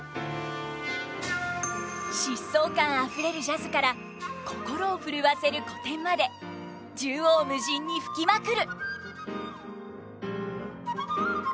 疾走感あふれるジャズから心をふるわせる古典まで縦横無尽に吹きまくる！